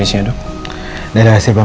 elsa berubah elsa